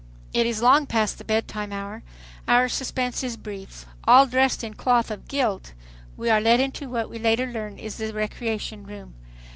It is long past the bed time hour. Our suspense is brief. All dressed in cloth of "guilt" we are led into what we later learn is the "recreation" room.